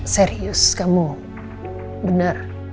serius kamu bener